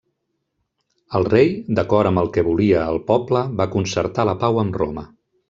El rei, d'acord amb el que volia el poble, va concertar la pau amb Roma.